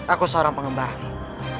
aku seorang pengembara nek